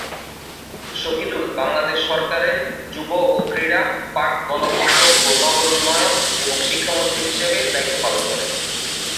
শহীদুল বাংলাদেশ সরকারের যুব ও ক্রীড়া, পাট, গণপূর্ত ও নগর উন্নয়ন এবং শিক্ষা মন্ত্রী হিসেবে দায়িত্ব পালন করেন।